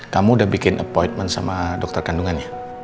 kamu udah bikin appointment sama dokter kandungannya